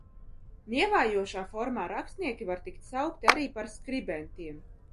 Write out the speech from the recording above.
Nievājošā formā rakstnieki var tikt saukti arī par skribentiem.